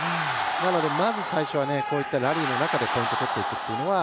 なのでまず最初はこういったラリーの中でポイントを取っていくというのは